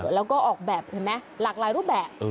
แล้วก็ออกแบบเห็นไหมหลากหลายรูปแบบ